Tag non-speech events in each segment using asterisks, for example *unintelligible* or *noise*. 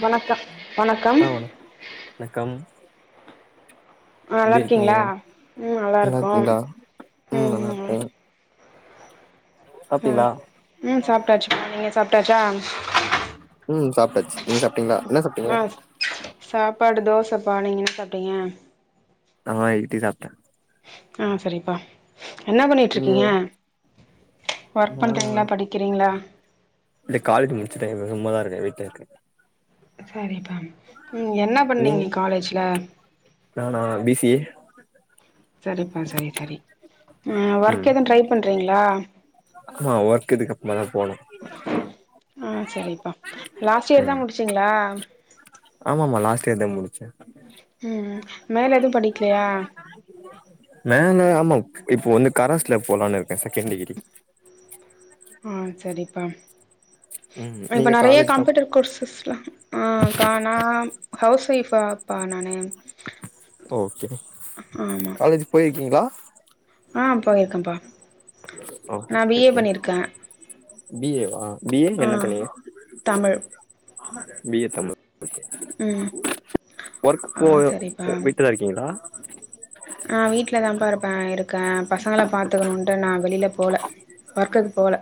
வணக்கம் வணக்கம் ஆ வணக்கம் வணக்கம் ஆ நல்லா எப்டி இருக்கீங்க இருக்கீங்ளா ம் நல்லா நல்லாருக்கோம் இருக்கீங்களா நல்லா ம் இருக்கோ ஆ சாப்ட்டீங்களா ம் சாப்ட்டாச்சு நீங்க சாப்ட்டாச்சா ம் சாப்டாச்சு நீங்க சாப்ட்டீங்ளா என்ன சாப்ட்டீங்க ஆ சாப்பாடு தோசப்பா நீங்க என்ன சாப்ட்டீங்க நா இட்லி சாப்ட்டே ஆ சரிப்பா என்னா நீங்க? பண்ணிட்ருக்கீங்க ஒர்க் நானா பண்றீங்களா படி க்கிறீங்ளா காலேஜ் முடிச்சிட்டே சும்மாதா இருக்கே வீட்ல இருக்கே சரிப்பா ம் என்ன நீங்க பண்ணீங்க காலேஜ்ல நானா பி சி ஏ சரிப்பா சரி சரி ஒர்க் எதுவு ட்ரை பண்றீங்ளா ஆ ஒர்க் இதுக் அப்றோ தா போவ்னு ஆ சரிப்பா லாஸ்ட் இயர் தா முடிச்சீங்ளா ஆம்மாமா லாஸ்ட் இயர் தாங் முடிச்ச ம் மேல எதும் படிக்லையா மேல ஆம்மா இப்போ வந்து கரசுல போலானு இருக்கே செகண்ட் டிகிரி ஆ சரிப்பா ம் இப்ப நீங்க நெறைய காலேஜா கம்ப்யூட்டர் கோர்சஸ்லா ஆ க்கா நா ஹவுஸ் வொய்ஃபா நானு ஓகே ஆமா காலேஜ் போயிருக்கீங்ளா ஆ போயிருக்கப்பா ஓகே நா பி ஏ ஓகே பண்ணிருக்கே பி ஏ வா பி ஏ என்ன பண்ணிங்க Tamil B A Tamil okay ம் ஒர்க் ஆ போல சரிப்பா வீட்லதா இருக்கீங்ளா ஆ வீட்லதாபா இருப்பே இருக்கே பசங்கள பாத்துக்கணுன்டு நா வெளில போல ஒர்க்குக் போல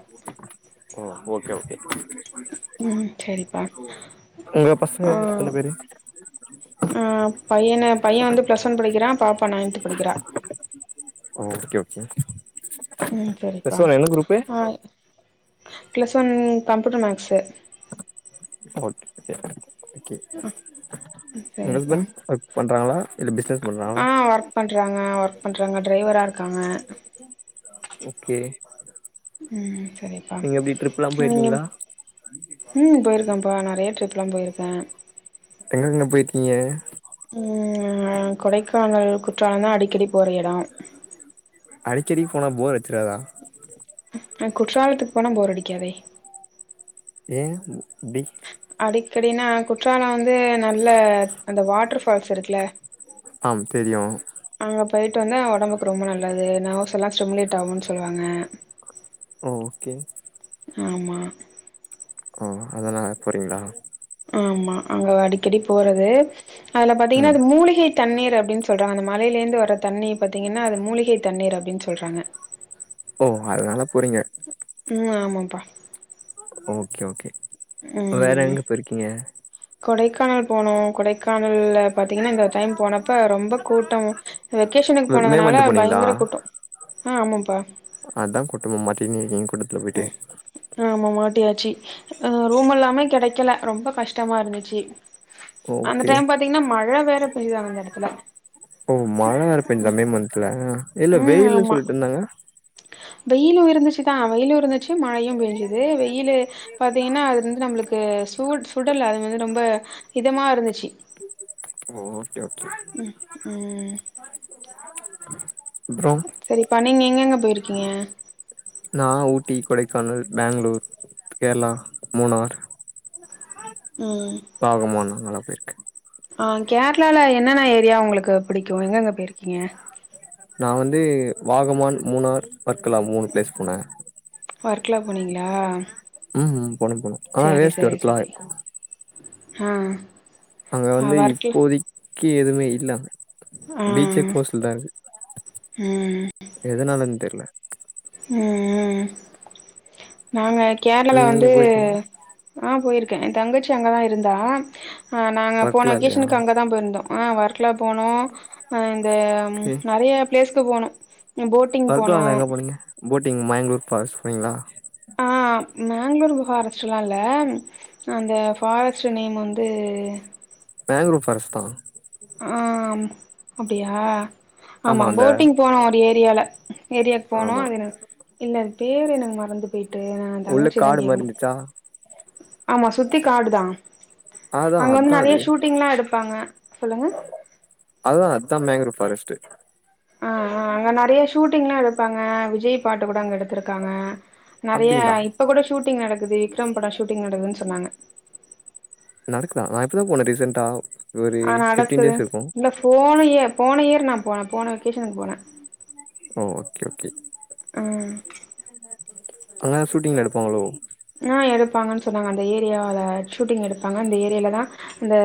ஓகே ஓகே ம் செரிப்பா உங்க பசங்க எத்தன பேரு அ பையன பைய வந்து ப்ளஸ் ஒன் படிக்கிறா பாப்பா நைன்த்து படிக்கிறா ஓ ஓகே ஓகே ம் சரிப்பா பிளஸ் ஒன் என்ன குரூப்பு ஆ plus one computer maths okay okay உங்க சரிப்பா ஹஸ்பண்ட் ஒர்க் பண்றாங்களா இல்ல பிஸ்னஸ் பண்றா ஆ ஒர்க் பண்றாங்க ஒர்க் பண்றாங்க ட்ரைவரா இருக்காங்க *unintelligible* ஓகே ம் சரிப்பா நீங்க எப்டி ட்ரிப்லா நீங்க போயிருக்கீங்களா ம் போயிருக்கேன்ப்பா நெறைய ட்ரிப்லா போயிருக்கே எங்க எங்க போயிருக்கீங்க ம் கொடைக்கானல் குற்றாலந்தா அடிக்கடி போற எடோ அடிக்கடி போனா போர் அடிச்சிறாதா குற்றாலத்துக்கு போனா போர் அடிக்காதே ஏ அப்டி அடிக்கடினா குற்றால வந்து நல்ல அந்த வாட்ரு ஃபால்ஸ் இருக்குல ஆம் தெரியு அங்க போயிட்டு வந்தா ஒடம்புக்கு ரொம்ப நல்லது ந வர்ஸ் எல்லா ஸ்டிமலேட் ஆகுன்னு சொல்வாங்க ஓகே ஆமா ஓ அனால போறீங்ளா ஆமா அங்க அடிக்கடி போறது அதுல பாத்தீங்கன்னா ம் அது மூலிகை தண்ணீர் அப்டின் சொல்றாங்க அந்த மலையிலே இருந்து வர தண்ணீ பாத்தீங்கன்னா அது மூலிகை தண்ணீர் அப்டின் சொல்றாங்க ஓ அதுனால போறீங்க ம் ஆமாப்பா ஓகே ஓகே வேற ம். எங்க போயிருக்கீங்க கொடைக்கானல் போனோ கொடைக்கானல்ல பாத்தீங்கன்னா இந்த டைம் போனப்ப ரொம்ப கூட்டம் வெகேஷனுக்கு மே போனதுனால மந்த் போனீங்களா பயங்கரக் கூட்ட ஆ ஆமாப்பா அதா கூட்டமா மாட்டினு கூட்டத்துல போயிட்டு ஆமா மாட்டியாச்சு ரூம் எல்லாமே கெடைக்கல ரொம்ப கஷ்டமா இருந்துச்சு அந்த ஓகே டைம் பாத்தீங்கன்னா மழ வேற பெயிதுங்க அந்த எடத்ல ஓ மழ வேறப் பேஞ்சுதா மே மன்த்ல இல்ல வெயிலுன் சொல்ட்ருந்தாங்க வெயிலு இருந்துச்சுதா வெயிலு இருந்துச்சு மழையு பேஞ்சுது வெயிலு பாத்தீங்கன்னா அதுல வந்து நம்ளுக்கு சு சுடல்ல அது வந்து ரொம்ப இதமா இருந்துச்சு ஓ ஓகே ஓகே ம். அப்றோ சரிப்பா நீங்க எங்கங்க போயிருக்கீங்க நா ஊட்டி கொடைக்கானல் பேங்ளூர் கேர்ளா மூனார் ம் வாகமான் நா நல்லா போயிருக்க ஆ கேரளால என்னென்ன ஏரியா உங்களுக்கு பிடிக்கு எங்கெங்க போயிருக்கீங்க நா வந்து வாகமான் மூணார் வர்க்கலா மூணு பிளேஸ் போனே ஒர்க்லா போனீங்களா? ம் போனும் போனு ஆனா சரி, வேஸ்ட் சரி, ஒர்க்குலா சரி. இருக்கு ஆ அங்க ஆ வந்து ஒர்க்கு இப்போதைக்கு எதுமே இல்ல அங்க ஆ. பீச்சே க்ளோஸ்லதா இருக்கு எதனாலன் தெர்ல ம் ம் நாங்க கேரளா வந்து நீங்க போயிருக்கீங்ளா ஆ போயிருக்கே எ தங்கச்சி அங்கதா இருந்தா அ நாங்க போன வர்க்கலா இல்லயா வக்கேஷனுக்கு அங்க தா போயிருந்தோ ஆ வர்க்லா போனோ அ இந்த ஓகே நறைய பிளேஸ்க்கு போனோ எ போட் பர்க்கலாலா எங்க போனீங்க போட்டிங் மயங்க்ரூ பாரஸ்ட் போனீங்களா ஆ மேங்களூர் ஃபாரஸ்ட்லா இல்ல அந்த ஃபாரஸ்ட் நேம் வந்து இது மேங்க்ரூ ஃபாரஸ்ட் தா ஆ அப்டியா ஆமா போட்டிங் போனோ ஒரு ஏரியால ஏரியாவுக்கு போனோ ஆமா அது எனக் இல்லை பேர் எனக்கு மறந்து போய்ட்டு நா உள்ள தங்கச்சி தா காடு மாரி கேக்கணு இருந்துச்சா ஆமா சுத்தி காடுதா அதா அங்க வந்து அதா நறைய அது ஷூட்டிங்லா எடுப்பாங்க சொல்லுங்க அதுதா அத்தா மேங்க்ரூ ஃபாரஸ்ட் ஆ அ அங்க நறைய ஷூட்டிங்லா எடுப்பாங்க விஜய் பாட்டு கூட அங்க எடுத்திருக்காங்க நறைய அப்டிங்களா இப்ப கூட ஷூட்டிங் நடக்குது விக்ரம் பட ஷூட்டிங் நடக்குதுன் சொன்னாங்க நடக்குதா நா இப்போதா போனே ரீசென்டா ஒரு ஆ ஃபிப்ட்டீன் நடக்குது டேஸ் இருக்கு இல்ல போன இயர் போன இயர் நா போனே போன வெக்கேஷனுக்கு போனே ஓ ஓகே ஓகே ம் அங்க ஷூட்டிங்ல எடுப்பாங்களோ ஆ எடுப்பாங்கன் சொன்னாங்க அந்த ஏரியால ஷூட்டிங் எடுப்பாங்க அந்த ஏரியாலதா அந்த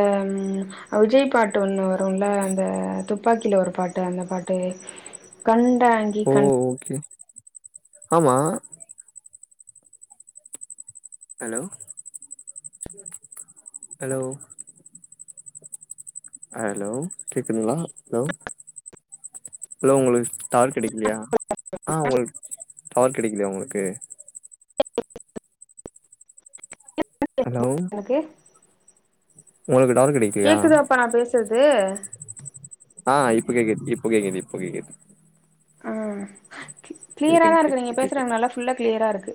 விஜய் பாட்டு ஒண்ணு வருல அந்த துப்பாக்கில ஒரு பாட்டு அந்த பாட்டு கண்டாங்கி ஓ கண் ஓகே ஆமா ஹலோ ஹலோ ஹலோ கேக்குதுங்கலா ஹலோ ஹலோ உங்களுக்கு டவர் கெடைக்கலையா ஆ உங்களுக் டவர் கெடைக்கலையா உங்களுக்கு ஹலோ ஓகே உங்களுக்கு டவர் கெடைக்கலையா கேக்குதாப்பா நா பேசறது ஆ இப்ப கேக்குது இப்ப கேக்குது இப்ப கேக்குது ஆ கேக்குது க்ளியராதா இருக்கு நீங்க கேக்குது கேக்குது பேசுறது நல்லா ஃபுல்லா க்ளியரா இருக்கு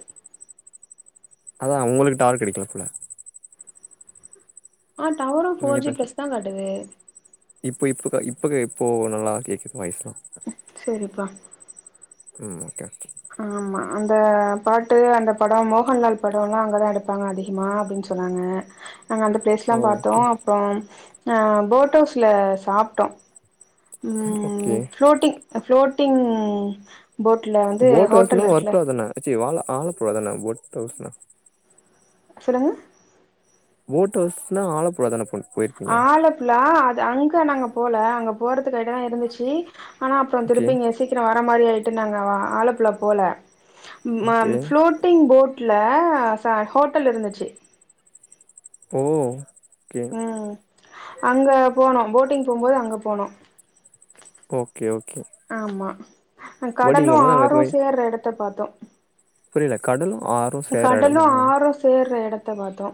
அதுதா உங்களுக்கு டவர் கெடைக்கல போல ஆ டவரு நீங்க ஃபோர் ஜி பேச ப்ளஸ்தா காட்டுது இப்போ இப்பக்கா இப்பக்க இப்போ நல்லா கேக்குது வாய்ஸ்லா சேரிப்பா ம் ஓகே ஓகே ஆ ஆமா அந்த பாட்டு அந்த படம் மோகன்லால் படம் எல்லா அங்கதா எடுப்பாங்க அதிகமா அப்டின்னு சொல் சொன்னாங்க நாங்கள் அந்த ப்ளேஸ்யெல்லா பாத்தோ ஓகே ஓகே அப்றோ போட் ஹவுஸில சாப்ட்டோ ம் ஓகே ஃப்ளோட்டிங் ஃப்ளோட்டிங் போட்டில வந்து போட் ஹவுஸ்னா ஹோட்டல் இருக்குல ஒர்க்கலா தான வாழ ஆழபுழா தானா போட்கவுஸ்னா சொல்லுங்க போட்ஹாவுஸ்னா ஆழப்படாதானண்ண போயிருகு ஆலப்புலா அது அங்க நாங்க போல அங்க போறதுக்கு எடம் இருந்துச்சு ஆனா அப்பறோ ஓகே திருப்பீங்க சீக்கிர வர மாரி ஆயிட்டு நாங்க ஆலப்புள்ள போல ஓகே ஃப்ளோட்டிங் போட்டல ச ஹோட்டல் இருந்துச்சு ஓ ஓகே ம் அங்க போன போட்டிங் போகுபோது அங்க போனோ ஓகே ஓகே ஆமா போட்டிங் கடலும் போம்போது அங்க இது ஆறும் மாரி சேர்ற இடத்த பாத்தோ புரியல கடல் ஆ கடலு ஆறும் சேர்ற இடத்த பாத்தோ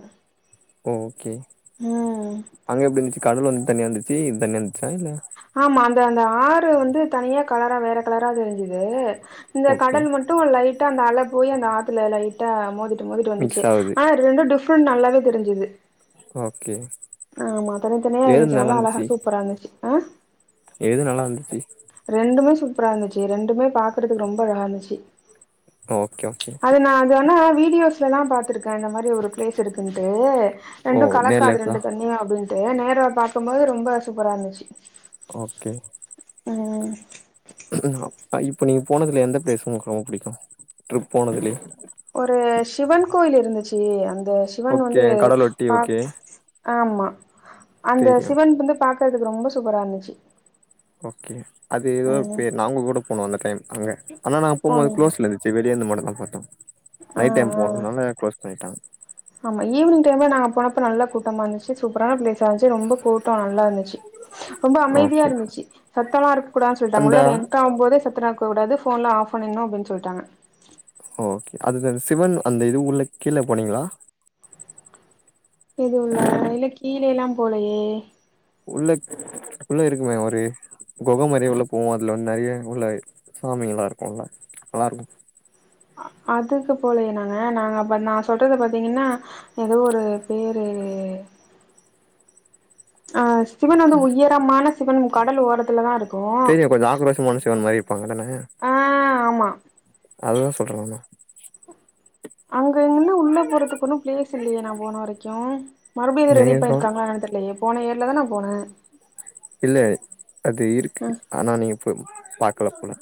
ஓ ஓகே ம் அங்க எப்டி இருந்துச்சு கடல் வந்து தனியா இருந்துச்சு இது வந்து தனியா இருந்துச்சா இல்ல ஆமா அந்த அந்த ஆறு வந்து தனியா கலரா வேற கலரா தெரிஞ்சுது இந்த ஓகே கடல் மட்டு ட்டும் லைட்டா அந்த அல போய் அந்த ஆத்துல லைட்டா மோதி போதிட்டு வந்துச்சு மிக்ஸ் ஆவுது ஆனா ரெண்டு டிஃப்ரெண்ட் நல்லாவே தெரிஞ்சுது ஓகே ஆமா தனித்தனியா இருந்துச்சு நல்லா அழகா சூப்பர இருந்துச்சு ஆ எது நல்லா இருந்துச்சு ரெண்டுமே சூப்பரா இருந்துச்சு ரெண்டுமே பாக்குறதுக்கு ரொம்ப அழகா இருந்துச்சு ஓகே ஓகே அது நான அததுனா வீடியோஸ்லல்லா பாத்துருக்கே அந்த மாரி ஒரு பிளேஸ் இருக்குட்டு ஓ ரெண்டு நேர்ல கலக்காது எப்ப ரெண்டு தண்ணியு அப்டின்னு நேர பாக்குபோது ரொம்ப சூப்பர இருந்துச்சு ஓகே ம் *unintelligible* இப்போ நீங்க போனதுல எந்த பளேஸு உங்களுக்கு ரொம்ப புடிக்கு ட்ரிப் போனதுலயே ஒரு சிவன் கோயில் இருந்துச்சு அந்த சிவன் ஓகே வந்து கடலொட்டி பா ஓகே ஆமா அந்த தெரியு சிவன் வந்து பாக்குறதுக்கு ரொம்ப சூப்பரா இருந்துச்சு ஓகே அது ஏதோ ம் பேரு நாங்க கூட போனோ அந்த டைம் அங்க ஆனா நாங்க போகுபோது போனீங்களா க்ளோஸ்லது செ வெளியே அந்த மடல்லா பாத்தோ ஆ நைட் டைம் ஆ போனறதுனால க்ளோஸ் பண்ணிட்டாங்க ஆமா ஈவினிங் டைம்ல நாங்க போனப்ப நல்லா கூட்டமா இருந்துச்சு சூப்பரான பிளேஸ் இருந்துச்சு ரொம்ப கூட்டம் நல்லா இருந்துச்சு ரொம்ப அமைதியா ஓகே இருந்துச்சு சத்தமா இருக்க கூடான்னு சொல்லிட்டாங்க அந்த உள்ளற என் *unintelligible* போதே சத்தமா இருக்க கூடாது போன்ல ஆப் பண்ணுங்க அப்டின்னு சொல்லிட்டாங்க ஓகே அது சிவன் அந்த இதுக்குள்ள கீழ போனீங்களா எதுவுல இல்ல கீழே எல்லா போலையே உள்ள உள்ள இருக்குமே ஒரு குக மரிய உள்ள போவோ அதுல வந்து நெறைய உள்ள சாமி எல்லா இருக்கும்ல நல்லா இருக்கு அதுக்கு போலயே நாங்க நாங்க அப்ப நா சொல்றது பாத்தீங்கன்னா ஏதோ ஒரு பேரு ஆ சிவன் வந்து உயரமான சிவன் கடல் ஓரத்துலதா இருக்கு தெரியு கொஞ்சோ ஆக்ரோஷமான சிவன் மாரி இருப்பாங்க தான ஆ ஆமா அதுதா சொல்றே நானு அங்க எங்கன்னா உள்ளே போறதுக்கு ஒன்னு ப்ளேஸ் இல்லியே நா போன வரைக்கு மறுபடியு எது ரெடி நீங்க கவன் பண்ணிருக்காங்ளான் என்னனு தெர்லயே போன இயர் ஏர்லதா நா போனே இல்ல அது இருக்கு ம் ஆனா நீங்க போ பாக்கல போல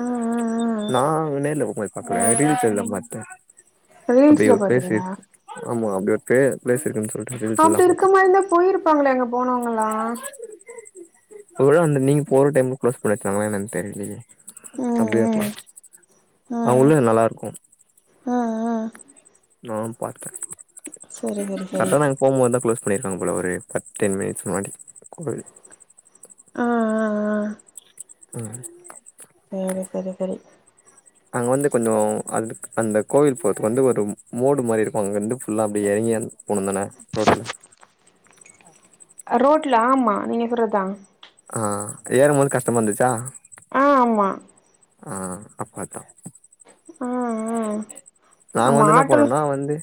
ஆ ஆ நா நேர்ல போம்போது பாக்ல ரீல்ஸல்தா பாத்தே ஆ அப்டி ரீல்ஸ்ல ஒரு ப்ளேஸ் பாத்தீங்களா இருக்கு ஆமா அப்டி ஒரு பே ப்ளேஸ் இருக்குன் சொல்ட்டு ரீல்ஸ்டுலதா அப்டி இருக்க பாத்தே மாரி இருந்தா போயிருப்பாங்களே அங்க போனவங்களா ஒருவேள அந்த நீங்க போற டைம்ல க்ளோஸ் பண்ணிட்டாங்களா என்னனு தெரிலயே அப்டிய ம் இருக்கலா ம் ஆ அ உள்ள நல்லா இருக்கு ஆ ஆ நா பாத்தே சரி சரி சரி போம்போதா க்ளோஸ் பண்ணிருக்காங்க போல ஒரு ஃபிஃப்டின் மினிட்ஸ் முன்னாடி கோயில் ஆ ஆ ஆ ம் சேரி சரி சரி அங்க வந்து கொஞ்சோ அது அந்த கோவில் போறதுக்கு வந்து ஒரு மோடு மாரி இருக்கு அங்க இருந்து ஃபுல்லா அப்டியே எறங்கி போனந்தானே ரோட்ல ரோட்ல ஆமா நீ சொல்றதா ஆ ஏறம் போது கஷ்டமா இந்துச்சா ஆ ஆமா ஆ அப்பாத்தா ஆ ஆ நாங்க ஆமா வந்து என்னா ஆட்டோ பன்னோன்னா வந்து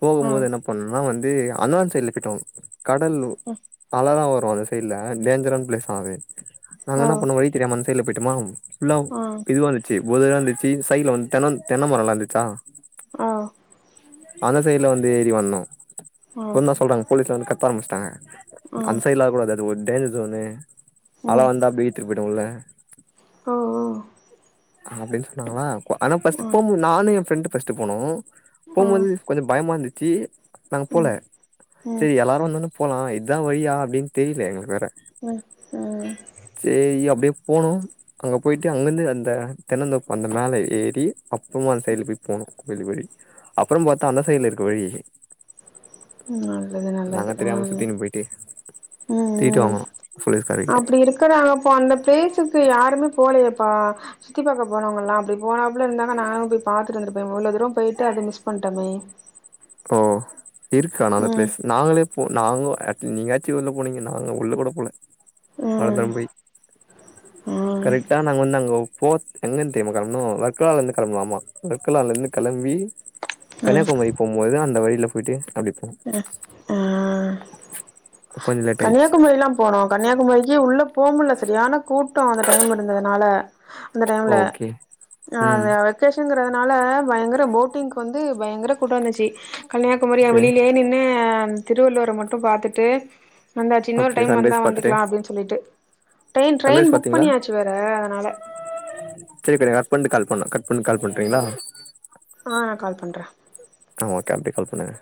போகும்போது என்ன பண்ணனா வந்து அந்தான் சைட்ல போய்ட்டோ கடல் அலலா வரு இல்ல டேஞ்சரான ப்ளேஸா அது நாங்க என்ன பண்ணோ வழி தெரியாம அந் சைட்ல போய்ட்டமா ல்லா இதுவா இருந்துச்சு பொதரா இருந்துச்சு சைட்ல வந்து தென்ன தென்ன மரல்லா இருந்துச்சா ஆ அந்த சைடுல வந்து ஏறி வந்தோ இப்பந்தா சொல்றாங்க போலீஸ்லா வந்து கத்த ஆரம்பிச்சுட்டோ அந் சைட்லா வரக்கூடாது அது ஒரு டேஞ்சர் சோனு அல வந்த அப்டி ஈத்துட்டு போய்டு உள்ள ஆ ஆ அப்டின் சொன்னாங்களா ஆனா ஃபர்ஸ்ட் போபோது நானு எ ஃப்ரெண்டு் ஃபஸ்ட்டு போனோ போபோது கொஞ்சோ பயமா இருந்துச்சு நாங்க போல சரி எல்லாரு வந்தொன்னே போலா இதா வழியா அப்டின்னு தெரில எங்களுக்கு வேற ம் சேரி அப்டியே போனோ அங்க போய்ட்டு அங்கிருந்து அந்த தென்னந்த தோப்பு அந்த மேல ஏறி அப்பமா அந்த சைடுல போய் போனு வேழி வேழி அப்ற பாத்தா அந்த சைட்ல இருக்கு வழி நல்லது நாங்க நல்லது ஆ தெரியாம ம் சுத்தினு போயிட்டு தீட்டு ம் வாங்குனோ போலீஸ் காரிகிட் அப்டி இருக்கறாங்க அப்போ அந்த ப்ளேஸுக்கு யாருமே போலயேப்பா சுத்தி பாக்க போனவங்கல்லா அப்டி போனா ல இருந்தா நானு போய் பாத்துட்டு வந்தருப்பே இவ்லோ துரோ போயிட்டு அத மிஸ் பண்டமே ஓ இருக்கு ஆனா அந்த ம் ப்ளேஸ் நாங்களே போ நாங்லு அட் நீங்காச்சு உள்ள போனீங்க நாங்க உள்ள கூட போல ம் அவ்ளத்துற்ம்பொய் ம் கரெக்டா நாங்க வந்து அங்கோ போத் எங்கந் தெரிய்மா களம்புனோ வர்க்ளாலேந்து களம்புனோ வர்க்கலாலேந்து களம்பி கன்னியாகுமரி போம்போதுதா அந்த வழில பொய்ட்டு அப்டி போனோ கொஞ்சோ லேட் ஆயிடுச்சு கன்னியாகுமரி எல்லா போனோ கன்னியாகுமாரிக்கே உள்ள போகமுல்ல சரியான கூட்டோ அந்த டைம் இருந்ததுனால அந்த டைமுல ஓகே ம் *unintelligible* கேஷன்ங்குறதுனால பயங்கர போட்டிங்க் வந்து பயங்கர கூட்ட வந்துச்சு கன்னியாகுமரிய ஓகே வெளிலே நின் நே அம் திருவள்ளுவர மட்டு பாத்துட்டு மந்தாச்சு இன்னொரு ஓகே டைம் வந்தா சன்ரைஸ் பாத்துட்டு வந்துக்லா அப்டின் சொல்லிட்டு ட்ரெயின் ட்ரெயின் ஃபுக் பண்ணியாச்சு வேறு அதனால செரி இப் எனக் கட் பண்ட்டு கட் பண்ணி கால் பண்ணு கட் பண்ட்டு கால் பண்றீங்ளா ஆ நா கால் பண்ற அ ஓக்கே அப்டே கால் பண்ணுங்க